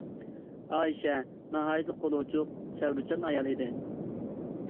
ئائىشە ناھايىتى قولى ئوچۇق، سەۋرچان ئايال ئىدى.